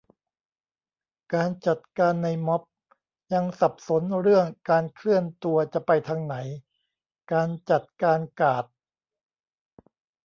การจัดการในม็อบ ยังสับสนเรื่องการเคลื่อนตัวจะไปทางไหน การจัดการการ์ด